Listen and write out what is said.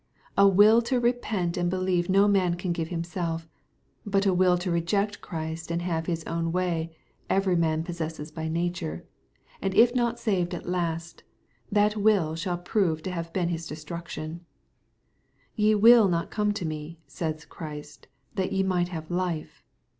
A will tqj:epeniLand be lieve no man can give himself, but a will to reject Christ and have his own way, every man ..possesses by nature, and if not saved at last, that will shall prove to have been his destruction, k^ Ye will not come to me,'' says Christ, " that ye might have life.'